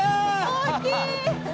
大きい！